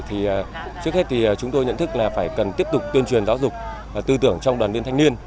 trước hết thì chúng tôi nhận thức là phải cần tiếp tục tuyên truyền giáo dục tư tưởng trong đoàn viên thanh niên